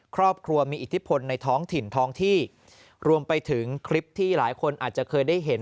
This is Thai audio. ครอบครัวมีอิทธิพลในท้องถิ่นท้องที่รวมไปถึงคลิปที่หลายคนอาจจะเคยได้เห็น